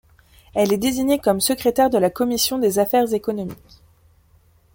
Elle est désignée comme secrétaire de la commission des Affaires économiques.